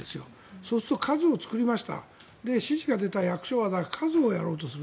そうすると、数を作りました指示が出た役所は数をやろうとする。